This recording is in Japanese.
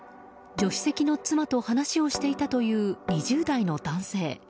助手席の妻と話をしていたという２０代の男性。